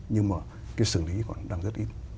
nhưng mà cái xử lý còn đang rất ít